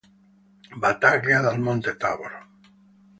Battaglia del monte Tabor